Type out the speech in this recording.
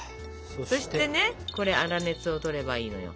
そしてねこれ粗熱をとればいいのよ。